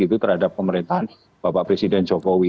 itu terhadap pemerintahan bapak presiden jokowi